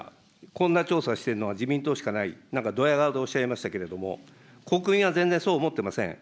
こんな調査をしているのは自民党しかない、なんかどや顔でおっしゃいましたけれども、国民は全然そうは思っていません。